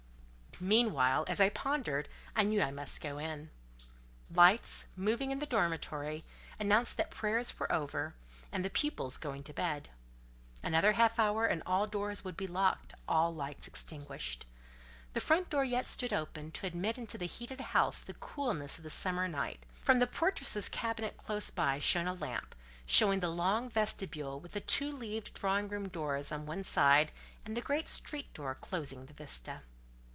Meanwhile, as I pondered, I knew I must go in. Lights, moving in the dormitory, announced that prayers were over, and the pupils going to bed. Another half hour and all doors would be locked—all lights extinguished. The front door yet stood open, to admit into the heated house the coolness of the summer night; from the portress's cabinet close by shone a lamp, showing the long vestibule with the two leaved drawing room doors on one side, the great street door closing the vista.